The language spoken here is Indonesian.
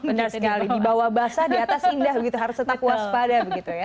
benar sekali dibawah basah di atas indah harus tetap waspada